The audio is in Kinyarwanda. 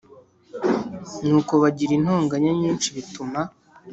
Nuko bagira intonganya nyinshi bituma